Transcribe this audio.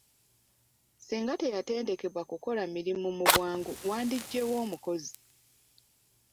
Singa teyatendekebwa kukola mirimu mu bwangu wandiggye wa omukozi ?